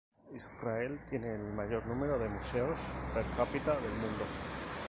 Israel tiene el mayor número de museos "per capita" del mundo.